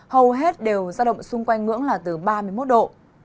hầu hết đều giao động xung quanh ngưỡng là từ ba mươi một độ